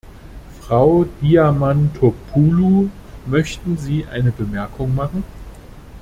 Frau Diamantopoulou, möchten Sie eine Bemerkung machen?